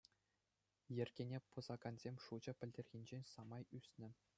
Йӗркене пӑсакансен шучӗ пӗлтӗрхинчен самай ӳснӗ.